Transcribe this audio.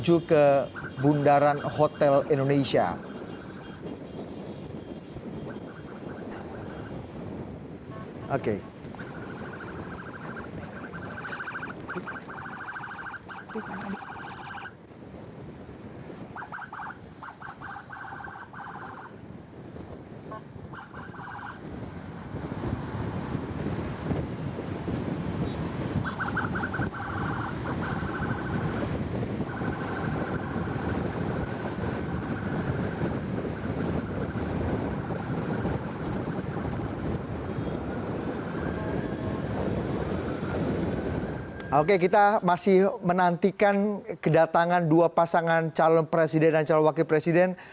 oke kita masih menantikan kedatangan dua pasangan calon presiden dan calon wakil presiden